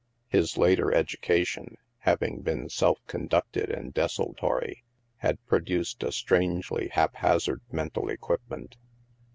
His later education, having been self conducted and desultory, had produced a strangely haphazard mental equipment.